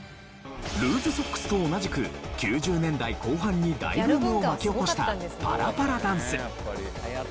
ルーズソックスと同じく９０年代後半に大ブームを巻き起こしたパラパラダンス。